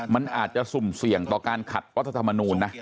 มันอาจจะสุ่มเสี่ยงต่อการขัดรัฐธรรมนูญนะ